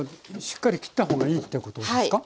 しっかり切った方がいいってことですか？